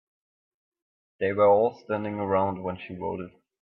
They were all standing around when she wrote it.